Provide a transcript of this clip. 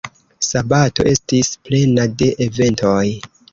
Sabato estis plena de eventoj.